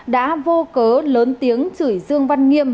đã vô cớ lớn tiếng chửi dương văn nghiêm